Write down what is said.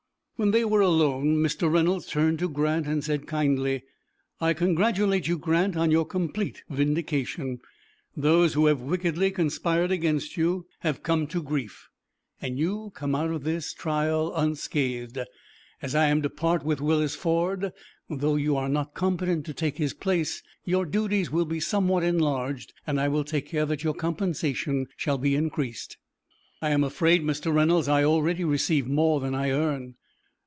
When they were alone Mr. Reynolds turned to Grant and said kindly, "I congratulate you, Grant, on your complete vindication. Those who have wickedly conspired against you have come to grief, and you come out of the trial unscathed. As I am to part with Willis Ford, though you are not competent to take his place, your duties will be somewhat enlarged, and I will take care that your compensation shall be increased." "I am afraid, Mr. Reynolds, I already receive more than I earn."